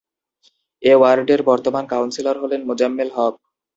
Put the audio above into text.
এ ওয়ার্ডের বর্তমান কাউন্সিলর হলেন মোজাম্মেল হক।